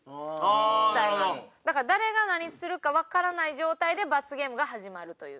だから誰が何するかわからない状態で罰ゲームが始まるという。